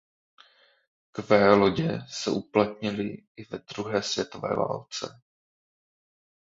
Q lodě se uplatnily i ve druhé světové válce.